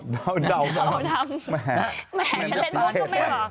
ดาวดาวทำไม่แห่งสีเฉด